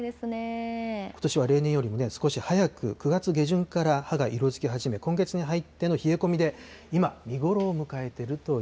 ことしは例年よりも少し早く、９月下旬から葉が色づき始め、今月に入っての冷え込みで、今、見